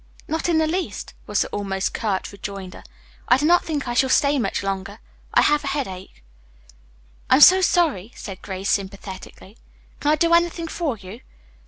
"Not in the least," was the almost curt rejoinder. "I do not think I shall stay much longer. I have a headache." "I'm so sorry," said Grace sympathetically. "Can I do anything for you?"